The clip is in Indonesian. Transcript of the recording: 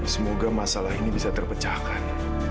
semoga masalah ini bisa terpecahkan